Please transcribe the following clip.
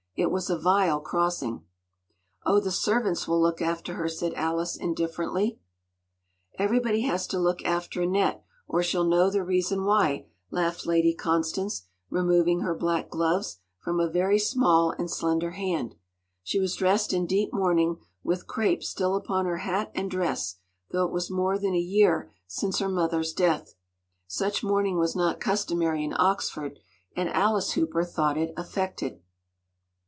It was a vile crossing.” “Oh, the servants will look after her,” said Alice indifferently. “Everybody has to look after Annette!—or she’ll know the reason why,” laughed Lady Constance, removing her black gloves from a very small and slender hand. She was dressed in deep mourning with crape still upon her hat and dress, though it was more than a year since her mother’s death. Such mourning was not customary in Oxford, and Alice Hooper thought it affected.